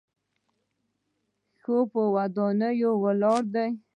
ښې ودانۍ ولاړې دي.